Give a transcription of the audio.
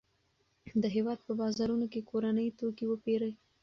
د هېواد په بازارونو کې کورني توکي وپیرئ.